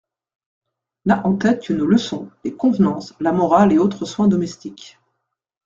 N'a en tête que nos leçons, les convenances, la morale et autres soins domestiques.